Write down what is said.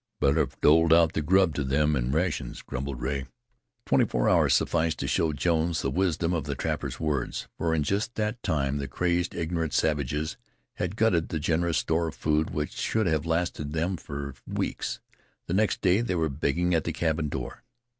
"Better have doled out the grub to them in rations," grumbled Rea. Twenty four hours sufficed to show Jones the wisdom of the trapper's words, for in just that time the crazed, ignorant savages had glutted the generous store of food, which should have lasted them for weeks. The next day they were begging at the cabin door.